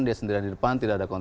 dia sendirian di depan